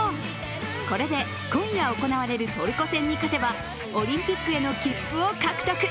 これで今夜行われるトルコ戦に勝てばオリンピックへの切符を獲得。